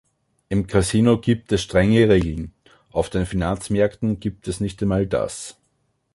Im Kasino gibt es strenge Regeln, auf den Finanzmärkten gibt es nicht einmal das.